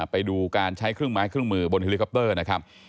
ไปดูการใช้เครื่องไม้เครื่องมือบนเฮลิคอปเตอร์นะครับ